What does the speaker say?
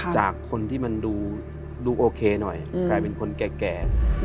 จากคนที่มันดูโอเคหน่อยกลายเป็นคนแก่